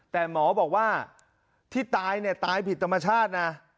แต่หมอบอกว่าที่ตายเนี่ยตายผิดธรรมชาตินะ